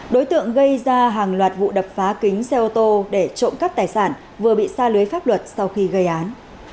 đối tượng gây ra hàng loạt vụ đập phá kính xe ô tô để trộm cắp tài sản vừa bị xa lưới pháp luật sau khi gây án